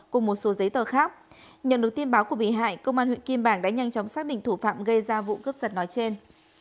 cùng một số giấy tờ khác nhận được tin báo của bị hại công an huyện kim bảng đã nhanh chóng xác định thủ phạm gây ra vụ cướp giật nói trên